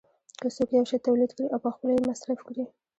که څوک یو شی تولید کړي او پخپله یې مصرف کړي